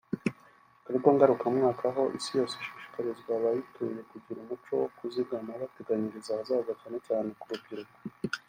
igikorwa ngarukamwaka aho Isi yose ishishikariza abayituye kugira umuco wo kuzigama bateganyiriza ahazaza cyane cyane ku rubyiruko